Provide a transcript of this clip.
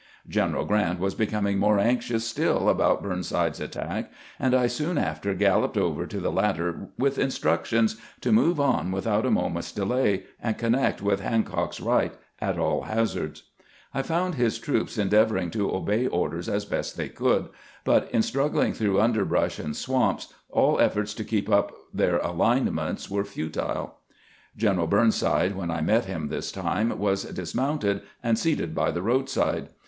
General Grant was becoming more anxious stiU about Burnside's attack, and I soon after galloped over to the latter with instructions to move on without a moment's delay, and connect with Hancock's right at all hazards. THE CEISIS OP THE WILDEBNESS 61 I found Ms troops endeavoring to obey orders as best they could, but, in struggling tbrougli underbrush and swamps, all efforts to keep up their alinement were futile. General Burnside, when I met him this time, was dismounted and seated by the roadside.